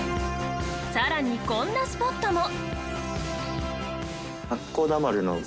更にこんなスポットも。